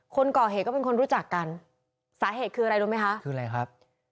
คนก่อเหตุก็เป็นคนรู้จักกันสาเหตุคืออะไรรู้ไหมคะคืออะไรครับ